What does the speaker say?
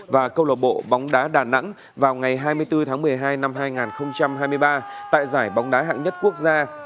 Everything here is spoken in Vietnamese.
và câu lạc bộ bóng đá đà nẵng vào ngày hai mươi bốn tháng một mươi hai năm hai nghìn hai mươi ba tại giải bóng đá hạng nhất quốc gia